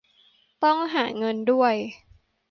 ต้องหาเงินด้วย